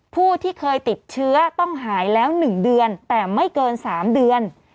ผู้ที่เคยติดเชื้อต้องหายแล้ว๑เดือนแต่ไม่เกิน๓เดือน